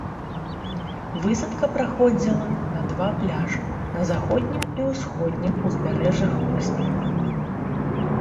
Высадка праходзіла на два пляжу на заходнім і ўсходнім узбярэжжах выспы.